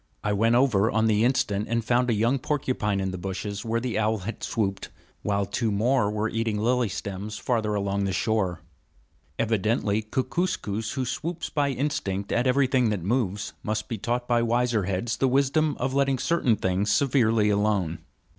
I went over on the instant, and found a young porcupine in the bushes where the owl had swooped, while two more were eating lily stems farther along the shore. Evidently Kookooskoos, who swoops by instinct at everything that moves, must be taught by wiser heads the wisdom of letting certain things severely alone.